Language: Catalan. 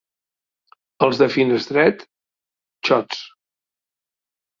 Els de Finestret, xots.